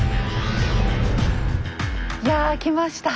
いや来ました。